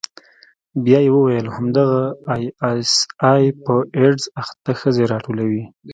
بيا يې وويل همدغه آى اس آى په ايډز اخته ښځې راټولوي.